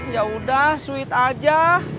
ya udah sweet aja